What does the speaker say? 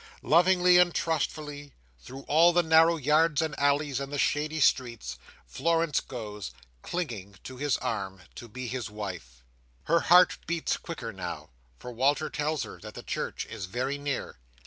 Lovingly and trustfully, through all the narrow yards and alleys and the shady streets, Florence goes, clinging to his arm, to be his wife. Her heart beats quicker now, for Walter tells her that their church is very near.